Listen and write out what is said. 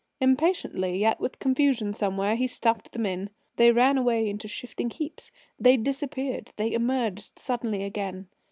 Impatiently, yet with confusion somewhere, he stuffed them in. They ran away into shifting heaps; they disappeared; they emerged suddenly again.